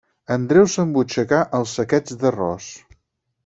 Andreu s'embutxacà els saquets d'arròs.